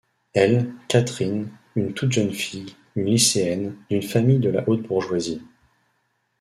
Elle, Catherine, une toute jeune fille, une lycéenne, d'une famille de la haute bourgeoisie.